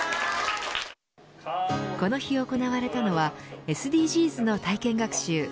この日行われたのはＳＤＧｓの体験学習。